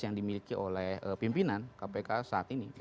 tapi sudah diperoleh oleh pimpinan kpk saat ini